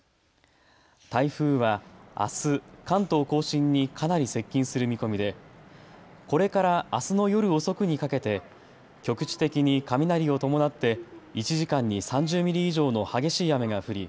台風はあす関東甲信にかなり接近する見込みでこれからあすの夜遅くにかけて局地的に雷を伴って１時間に３０ミリ以上の激しい雨が降り